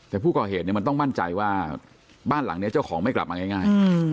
แต่ผู้ก่อเหตุเนี่ยมันต้องมั่นใจว่าบ้านหลังนี้เจ้าของไม่กลับมาง่าย